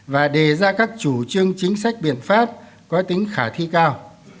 và đề ra các chủ trương chính sách biện pháp có tính khả thi cao